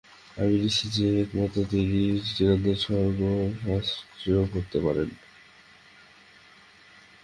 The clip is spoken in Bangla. আমি নিশ্চিত যে, একমাত্র তিনিই চিরন্তন স্বর্গ সহ্য করতে পারেন।